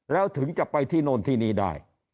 แล้วถึงจะไปที่โน่นที่นี่ได้